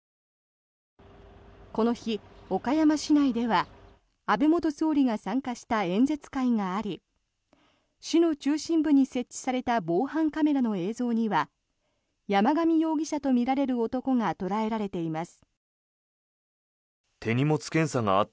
この日、岡山市内では安倍元総理が参加した演説会があり市の中心部に設置された防犯カメラの映像には山上容疑者とみられる男が捉えられています。